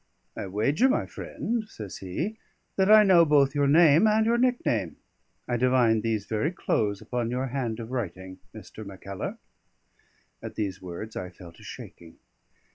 "I wager, my friend," says he, "that I know both your name and your nickname. I divined these very clothes upon your hand of writing, Mr. Mackellar." At these words I fell to shaking.